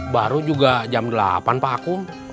baru juga jam delapan pak aku